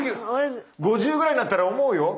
５０歳ぐらいになったら思うよ。